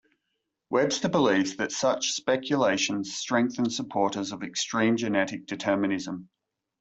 Webster believes that such speculations strengthen supporters of extreme genetic determinism.